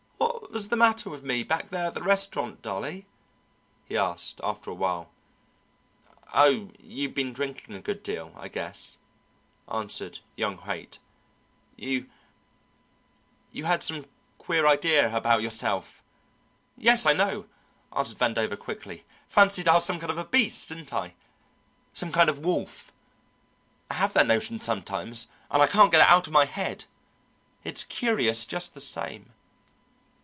"What was the matter with me back there at the restaurant, Dolly?" he asked after a while. "Oh, you'd been drinking a good deal, I guess," answered young Haight. "You you had some queer idea about yourself!" "Yes, I know," answered Vandover quickly. "Fancied I was some kind of a beast, didn't I some kind of wolf? I have that notion sometimes and I can't get it out of my head. It's curious just the same."